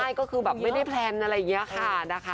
ใช่ก็คือแบบไม่ได้แพลนอะไรอย่างนี้ค่ะนะคะ